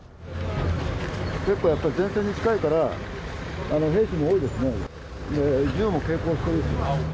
結構やっぱり、前線に近いから、兵士も多いですね。